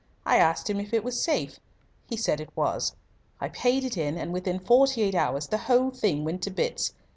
I asked him if it was safe. He said it was. I paid it in, and within forty eight hours the whole thing went to bits.